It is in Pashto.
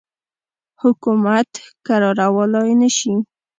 حکومت کرارولای نه شي.